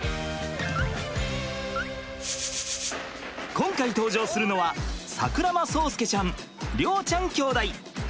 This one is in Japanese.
今回登場するのは櫻間蒼介ちゃん崚ちゃん兄弟。